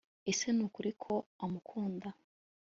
Ese Nukuri ko amukunda